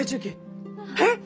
えっ！？